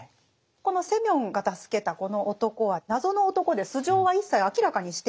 このセミヨンが助けたこの男は謎の男で素性は一切明らかにしていないんですね。